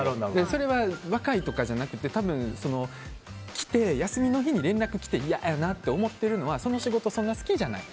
それは若いとかじゃなくて多分、休みの日に連絡来て嫌やなって思ってるのはその仕事がそんなに好きじゃない。